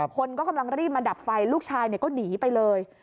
คนก็กำลังรีบมาดับไฟลูกชายก็หนีไปเลย